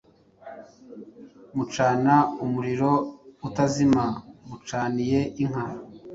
Mucana umuriro utazima.mucaniye inka